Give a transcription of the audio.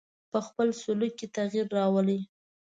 په خپل سلوک کې تغیر راولي.